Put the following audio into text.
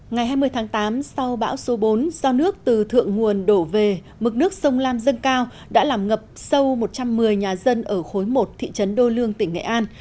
ngày hai mươi tháng tám sau bão số bốn do nước từ thượng nguồn đổ về mực nước sông lam dân cao đã làm ngập sâu một trăm một mươi nhà dân ở khối một thị trấn đô lương tỉnh nghệ an